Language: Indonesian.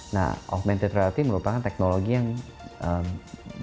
nah augmented reality merupakan teknologi yang ee